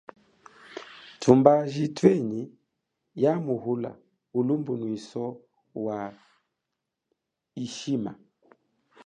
Tumbaji twenyi yaamuhula ulumbunwiso wa chishima.